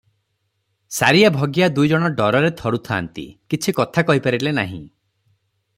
'ସାରିଆ ଭଗିଆ ଦୁଇ ଜଣ ଶୁଣି ଡରରେ ଥରୁଥାନ୍ତି, କିଛି କଥା କହିପାରିଲେ ନାହିଁ ।